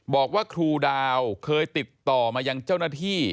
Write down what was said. บอกว่าครูดาวเคยติดต่อมายังเจ้าหน้าที่